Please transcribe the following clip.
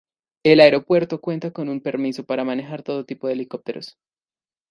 El aeropuerto cuenta con un permiso para manejar todo tipo de helicópteros.